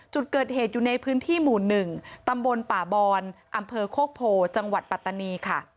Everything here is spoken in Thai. จุดเกิดเหตุอยู่ในพื้นที่หมู่๑ตำบลป่าบอนอำเภอโคกโพจังหวัดปัตตานีค่ะ